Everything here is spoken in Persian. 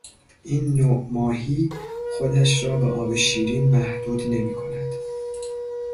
این نوع ماهی خودش را به آب شیرین محدود نمیکند.